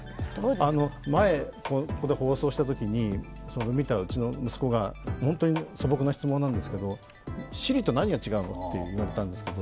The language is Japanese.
前、ここで放送したときにそれを見たうちの息子が本当に素朴な質問なんですけれどもＳｉｒｉと何が違うのって言ったんですね。